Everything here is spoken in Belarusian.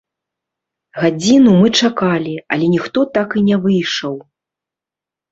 Гадзіну мы чакалі, але ніхто так і не выйшаў.